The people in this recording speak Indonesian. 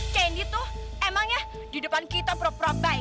candy tuh emangnya di depan kita pura pura baik